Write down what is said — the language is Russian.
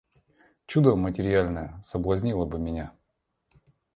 Чудо матерьяльное соблазнило бы меня.